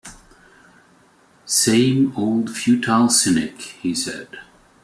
"Same old futile cynic," he said.